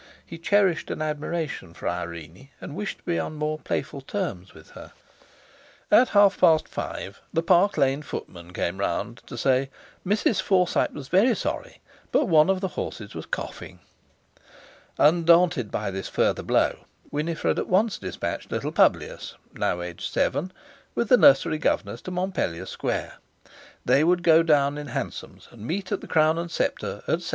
He cherished an admiration for Irene, and wished to be on more playful terms with her. At half past five the Park Lane footman came round to say: Mrs. Forsyte was very sorry, but one of the horses was coughing! Undaunted by this further blow, Winifred at once despatched little Publius (now aged seven) with the nursery governess to Montpellier Square. They would go down in hansoms and meet at the Crown and Sceptre at 7.45.